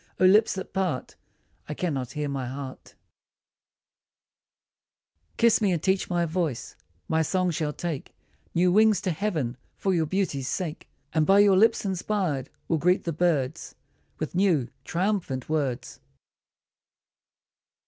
Oh, lips that part 1 " I cannot hear my heart. 89 TO RAIE Kiss me and teach my voice ; my song shall take New wings to heaven for your beauty's sake, And by your lips inspired, will greet the birds With new, triumphant words.